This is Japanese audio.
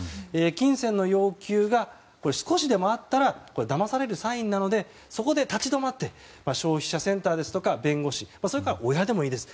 金銭の要求が少しでもあったらだまされるサインなのでそこで立ち止まって消費者センターですとか弁護士それから親でもいいです。